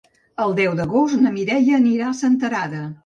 El deu d'agost na Mireia anirà a Senterada.